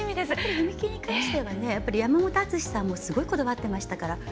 踏み切りに関しては山本篤さんもすごいこだわっていましたから。